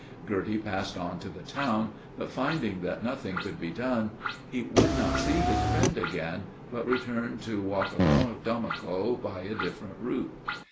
Girty passed on to the town, but finding that nothing could be done, he would not see his friend again, but returned to Waughcotomoco by a different route.